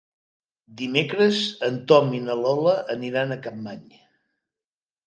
Dimecres en Tom i na Lola aniran a Capmany.